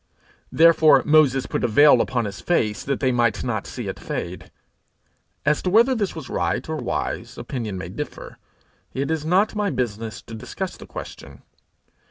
Therefore Moses put a veil upon his face that they might not see it fade. As to whether this was right or wise, opinion may differ: it is not my business to discuss the question.